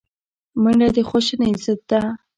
منډه د خواشینۍ ضد ده